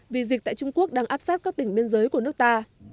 vì dịch tại trung quốc đang áp sát các tỉnh biên giới của nước ta